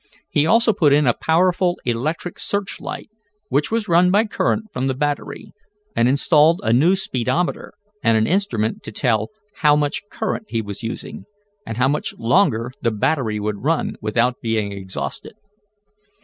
He also put in a powerful electric search light, which was run by current from the battery, and installed a new speedometer and an instrument to tell how much current he was using, and how much longer the battery would run without being exhausted.